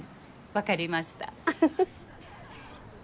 わかりました。